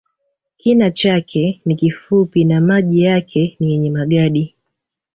Kina chake ni kifupi na maji yake ni yenye magadi